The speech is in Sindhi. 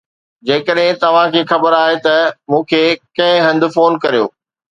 جيڪڏهن توهان کي خبر آهي ته مون کي ڪنهن هنڌ فون ڪريو